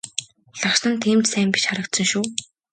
Лагшин нь тийм ч сайн биш харагдсан шүү.